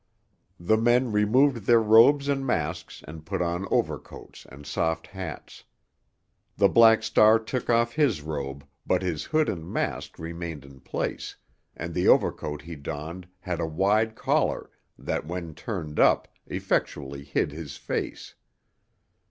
The men removed their robes and masks and put on overcoats and soft hats. The Black Star took off his robe, but his hood and mask remained in place, and the overcoat he donned had a wide collar that, when turned up, effectually hid his face.